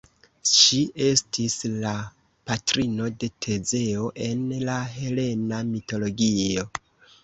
Ŝi estis la patrino de Tezeo en la helena mitologio.